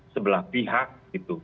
sebelah pihak gitu